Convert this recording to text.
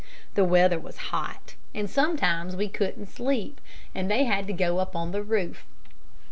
The weather was hot and sometimes we couldn't sleep, and they had to go up on the roof.